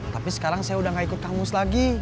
tapi sekarang saya udah gak ikut kang mus lagi